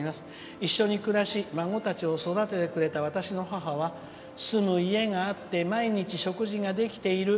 一緒に暮らさせていただき孫たちを育ててくれた私の母は住む家があって毎日、食事ができている。